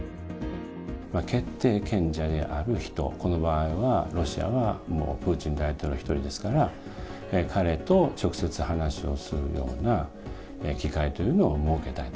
決定権者である人、この場合はロシアはもうプーチン大統領１人ですから、彼と直接話をするような機会というのを設けたい。